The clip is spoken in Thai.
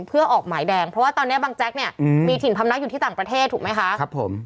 เพื่อออกหมายแดงเพราะว่าตอนนี้บางแจ๊กมีถิ่นพัมทนักอยู่ที่ต่างประเทศถูกมั้ยคะ